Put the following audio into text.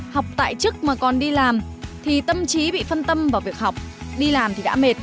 học tại chức mà còn đi làm thì tâm trí bị phân tâm vào việc học đi làm thì đã mệt